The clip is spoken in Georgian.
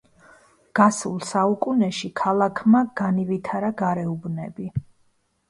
გასულ საუკუნეში ქალაქმა განივითარა გარეუბნები.